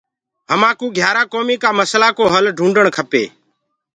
همآ ڪو گھيآرآ ڪومي ڪآ مسلآ ڪو هل ڍونڊڻ کپي۔